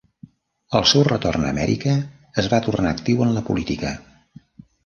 Al seu retorn a Amèrica, es va tornar actiu en la política.